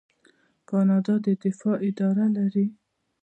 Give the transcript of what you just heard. کاناډا د دفاع اداره لري.